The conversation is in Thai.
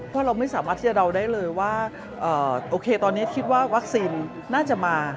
เพราะเราไม่สามารถที่จะเดาได้เลยว่าโอเคตอนนี้คิดว่าวัคซีนน่าจะมา